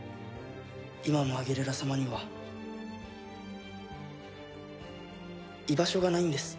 今のアギレラ様には居場所がないんです。